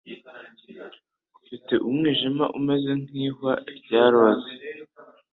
Ufite Umwijima umeze nk'ihwa rya roza.